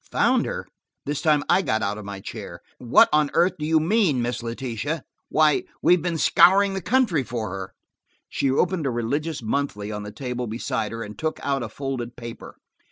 "Found her!" This time I did get out of my chair. "What on earth do you mean, Miss Letitia? Why, we've been scouring the country for her." She opened a religious monthly on the table beside her, and took out a folded paper.